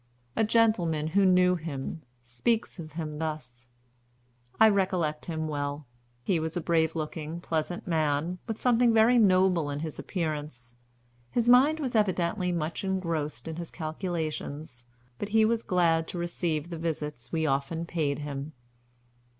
A gentleman who knew him speaks of him thus: 'I recollect him well. He was a brave looking, pleasant man, with something very noble in his appearance. His mind was evidently much engrossed in his calculations, but he was glad to receive the visits we often paid him.'